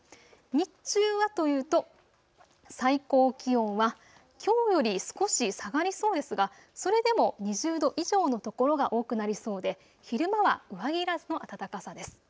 日中はというと最高気温はきょうより少し下がりそうですがそれでも２０度以上の所が多くなりそうで昼間は上着いらずの暖かさです。